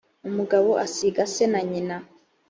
umugabo azasiga se na nyina